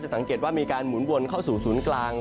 สังเกตว่ามีการหมุนวนเข้าสู่ศูนย์กลาง